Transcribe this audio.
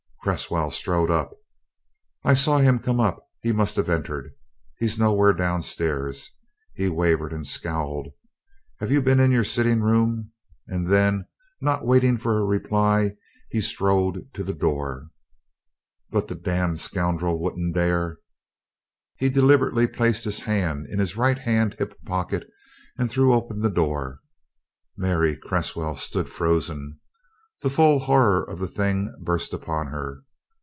Cresswell strode up. "I saw him come up he must have entered. He's nowhere downstairs," he wavered and scowled. "Have you been in your sitting room?" And then, not waiting for a reply, he strode to the door. "But the damned scoundrel wouldn't dare!" He deliberately placed his hand in his right hand hip pocket and threw open the door. Mary Cresswell stood frozen. The full horror of the thing burst upon her.